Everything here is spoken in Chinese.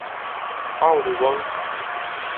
奥里翁。